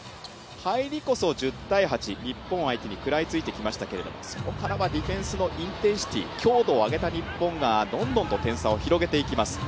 入りこそ１０ー８、日本相手に食らいついてきましたけどそこからはディフェンスのインテンシティ強度を上げた日本がどんどんと点差を広げていきます。